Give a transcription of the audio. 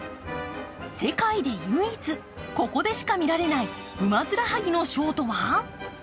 世界で唯一、ここでしか見られないウマヅラハギのショーとは？